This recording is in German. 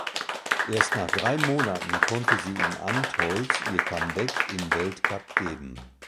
Erst nach drei Monaten konnte sie in Antholz ihr Comeback im Weltcup geben.